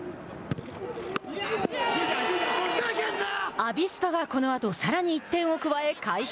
アビスパは、このあとさらに１点を加え快勝。